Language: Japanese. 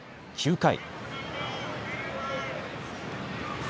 ９回。